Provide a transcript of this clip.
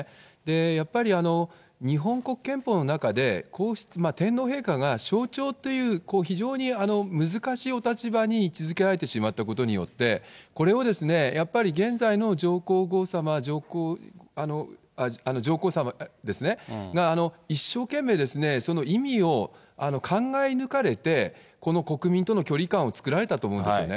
やはり日本国憲法の中で、天皇陛下が象徴という非常に難しいお立場に位置づけられてしまったことによって、これをやっぱり、現在の上皇さまですね、一生懸命、その意味を考え抜かれて、国民との距離感を作られたと思うんですよね。